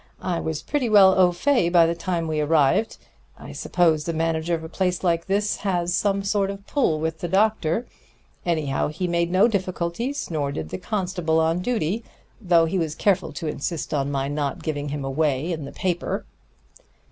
I was pretty well au fait by the time we arrived. I suppose the manager of a place like this has some sort of a pull with the doctor. Anyhow, he made no difficulties, nor did the constable on duty, though he was careful to insist on my not giving him away in the paper."